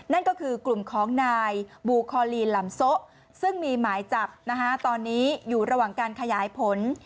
นั่นก็คือกลุ่มของนายบูคอลีนลำโซะซึ่งมีหมายจับตอนนี้อยู่ระหว่างการขยายผล